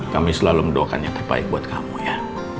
kami selalu mendoakan yang terbaik buat kamu ya